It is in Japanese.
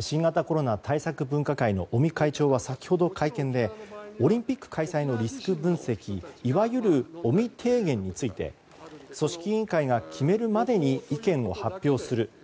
新型コロナ対策分科会の尾身会長は、先ほど会見でオリンピック開催のリスク分析いわゆる尾身提言について組織委員会が決めるまでに意見を発表する。